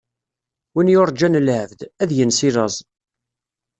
Win yuṛǧan lɛebd, ad yens i laẓ.